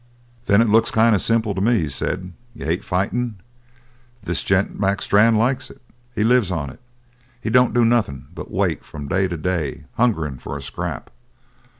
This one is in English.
"Then it looks kind of simple to me," he said. "You hate fightin'. This gent Mac Strann likes it; he lives on it; he don't do nothing but wait from day to day hungerin' for a scrap.